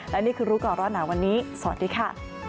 และนี่คือรู้ก่อนร้อนหนาวันนี้สวัสดีค่ะ